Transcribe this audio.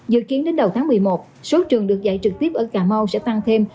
dự kiến đến đầu tháng một mươi một số trường được dạy trực tiếp ở cà mau sẽ tăng thêm